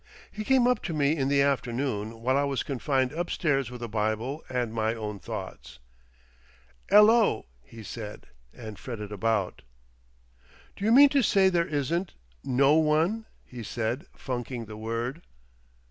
He came up to me in the afternoon while I was confined upstairs with a Bible and my own thoughts. "'Ello," he said, and fretted about. "D'you mean to say there isn't—no one," he said, funking the word.